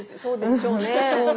そうでしょうね。